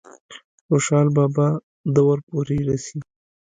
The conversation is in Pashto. خوشحال بابا دور پورې رسي ۔